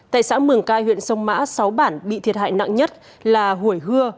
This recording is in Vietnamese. tại xã mường cai huyện sông mã sáu bản bị thiệt hại nặng nhất là hủy hưa